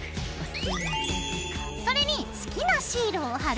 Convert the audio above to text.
それに好きなシールを貼るよ。